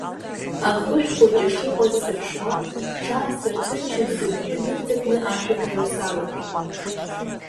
Ахышә хәыҷы шыҟаз сыԥшуа, сҽаасырҭынчын, сыбжьы ныҵакны ашәаҳәара салагеит.